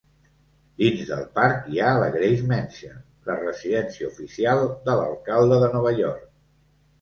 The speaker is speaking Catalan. Dins del parc hi ha la Gracie Mansion, la residència oficial de l'alcalde de Nova York.